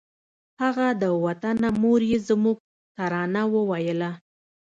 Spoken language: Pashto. هغه د وطنه مور یې زموږ ترانه وویله